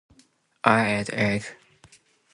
I ate egg.